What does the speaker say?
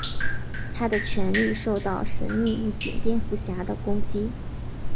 他的权力受到神秘义警蝙蝠侠的攻击。